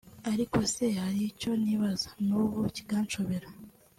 Ariko se hari icyo nibaza n’ubu kinshobera